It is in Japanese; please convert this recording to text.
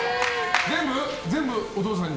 全部、お父さんに？